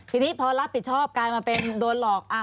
ทีนี้พอรับผิดชอบกลายมาเป็นโดนหลอก